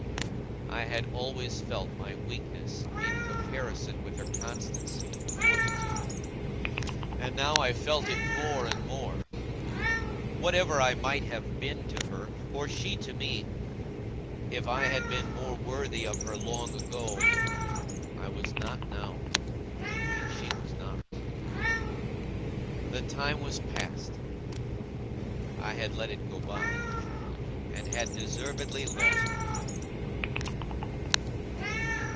I had always felt my weakness, in comparison with her constancy and fortitude; and now I felt it more and more. Whatever I might have been to her, or she to me, if I had been more worthy of her long ago, I was not now, and she was not. The time was past. I had let it go by, and had deservedly lost her.